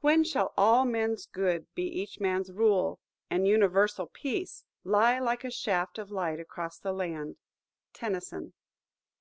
when shall all men's good Be each man's rule, and universal Peace Lie like a shaft of light across the land." TENNYSON.